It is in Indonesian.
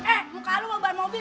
eh muka lo beban mobil